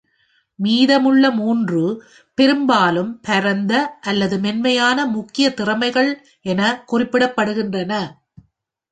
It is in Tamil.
மீதமுள்ள மூன்று பெரும்பாலும் 'பரந்த' அல்லது 'மென்மையான' முக்கிய திறமைகள் என குறிப்பிடப்படுகின்றன.